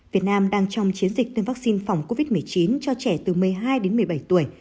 việt nam đang trong chiến dịch tiêm vaccine phòng covid một mươi chín cho trẻ từ một mươi hai đến một mươi bảy tuổi